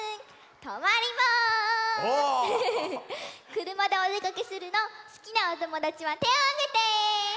くるまでおでかけするのすきなおともだちはてをあげて！